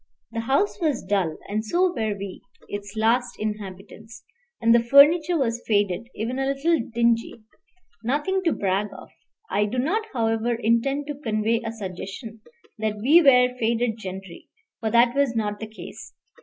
The house was dull, and so were we, its last inhabitants; and the furniture was faded, even a little dingy, nothing to brag of. I do not, however, intend to convey a suggestion that we were faded gentry, for that was not the case.